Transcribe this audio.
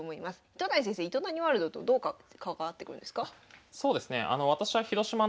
糸谷先生「糸谷ワールド」とどう関わってくるんですか？